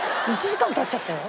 １時間経っちゃったよ？